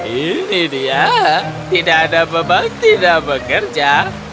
ini dia tidak ada beban tidak bekerja